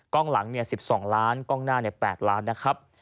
กล้องหลัง๑๒ล้านกล้องหน้า๘ล้านนะครับ